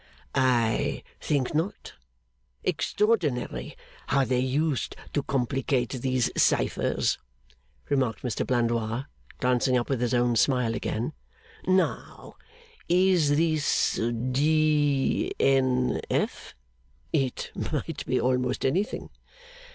'I think not.' 'Extraordinary how they used to complicate these cyphers!' remarked Mr Blandois, glancing up with his own smile again. 'Now is this D. N. F.? It might be almost anything.